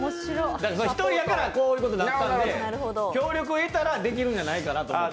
１人やからこういうことになったんで、協力を得たらできるんじゃないかなと思って。